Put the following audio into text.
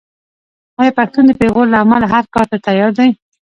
آیا پښتون د پېغور له امله هر کار ته تیار نه دی؟